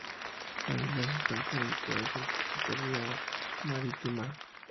Las islas están comunicadas entre sí por vía marítima.